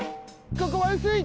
ここはうすい！